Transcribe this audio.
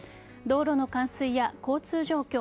道路の冠水や交通状況